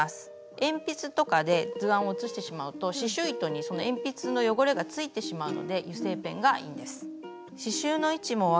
鉛筆とかで図案を写してしまうと刺しゅう糸にその鉛筆の汚れが付いてしまうので油性ペンがいいんです。